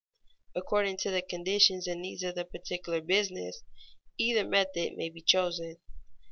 According to the conditions and needs of the particular business, either method may be chosen.